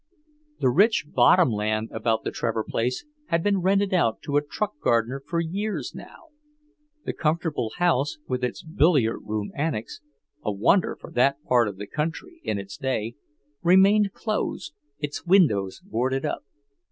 The rich bottom land about the Trevor place had been rented out to a truck gardener for years now; the comfortable house with its billiard room annex a wonder for that part of the country in its day remained closed, its windows boarded up.